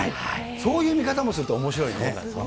そういう見方もするとおもしろいね。